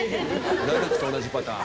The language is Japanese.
ラルクと同じパターン。